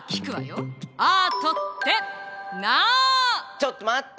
ちょっと待って！